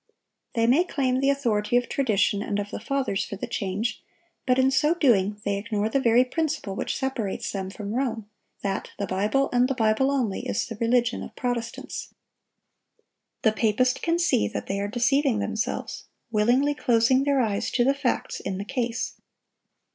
They may claim the authority of tradition and of the Fathers for the change; but in so doing they ignore the very principle which separates them from Rome,—that "the Bible, and the Bible only, is the religion of Protestants." The papist can see that they are deceiving themselves, willingly closing their eyes to the facts in the case.